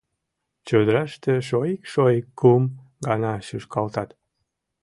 Чодыраште шоик-шоик кум гана шӱшкалтат.